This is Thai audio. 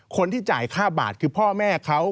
คนที่จ่ายค่าบาทคือพ่อแม่เขา